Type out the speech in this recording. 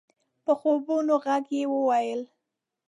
په خوبولي غږ يې وويل؛